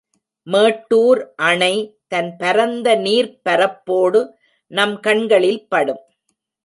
மேட்டூர் அணை தன் பரந்த நீர்ப் பரப்போடு நம் கண்களில் படும்.